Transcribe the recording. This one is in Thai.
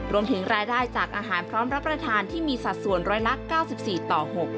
รวมถึงรายได้จากอาหารพร้อมรับประทานที่มีสัดส่วนร้อยละ๙๔ต่อ๖